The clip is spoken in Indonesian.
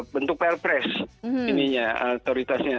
bentuk pr press ininya autoritasnya